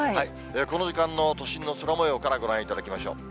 この時間の都心の空もようからご覧いただきましょう。